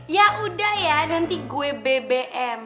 ya udah ya nanti gue bbm